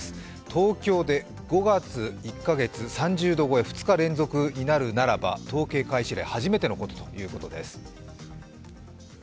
東京で５月、１か月３０度超え、２日連続になるならば、統計開始以来初めてのことということです。